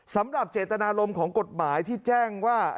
สำหรับเจตนารมณ์ของกฎหมายที่แจ้งว่า